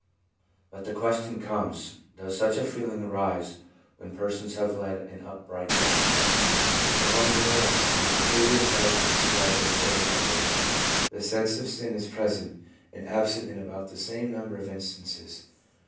But the question comes, Does such a feeling arise when persons have led an upright life ? Among the males, when the previous life is described as fairly upright, the sense of sin is present and absent in about the same number of instances.